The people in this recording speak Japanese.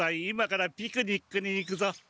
今からピクニックに行くぞ。